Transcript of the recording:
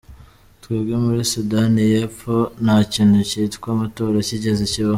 Twebwe muri Sudani y’Epfo, nta kintu kitwa amatora kigeze kibaho.